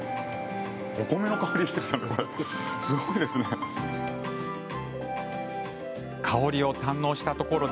お米の香りですよね、これ。